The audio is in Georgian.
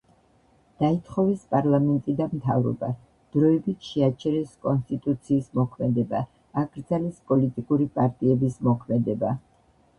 დაითხოვეს პარლამენტი და მთავრობა, დროებით შეაჩერეს კონსტიტუციის მოქმედება, აკრძალეს პოლიტიკური პარტიების მოქმედება.